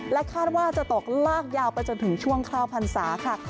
คาดว่าจะตกลากยาวไปจนถึงช่วงข้าวพรรษาค่ะ